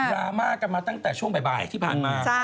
รามากันมาตั้งแต่ช่วงบ่ายที่ผ่านมา